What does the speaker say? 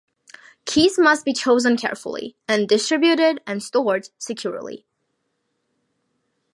Keys must be chosen carefully, and distributed and stored securely.